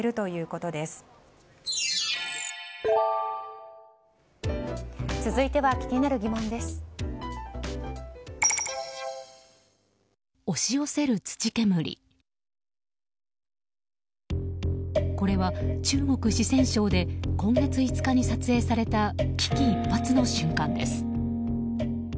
これは中国・四川省で今月５日に撮影された危機一髪の瞬間です。